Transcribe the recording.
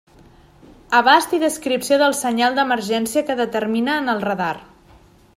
Abast i descripció del senyal d'emergència que determina en el radar.